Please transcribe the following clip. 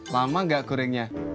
lama gak gorengnya